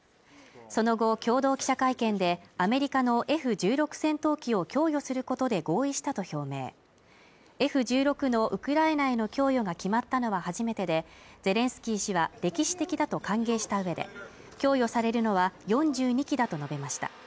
その後、共同記者会見でアメリカのＦ−１６戦闘機を供与することで合意したと表明Ｆ−１６のウクライナへの供与が決まったのは初めてでゼレンスキー氏は歴史的だと歓迎したうえで供与されるのは４２機だと述べました